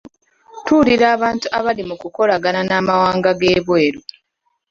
Tuwulira abantu abali mu kukolagana n'amawanga g'ebweru.